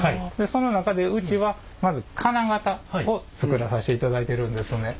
その中でうちはまず金型を作らさしていただいてるんですね。